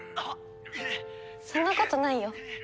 そんなことないよ。